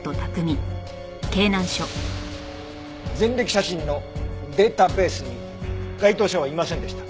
前歴写真のデータベースに該当者はいませんでした。